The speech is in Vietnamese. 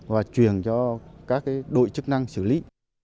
và truyền cho các đội chức năng xử lý